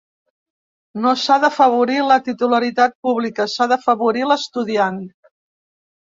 No s’ha d’afavorir la titularitat pública, s’ha d’afavorir l’estudiant.